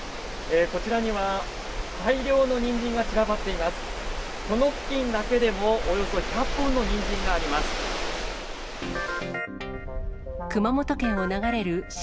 こちらには大量のニンジンが散らばっています。